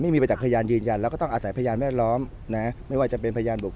ไม่มีประจักษ์พยานยืนยันแล้วก็ต้องอาศัยพยานแวดล้อมนะไม่ว่าจะเป็นพยานบุค